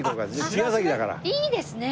いいですね。